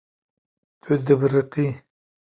Tu dibiriqî.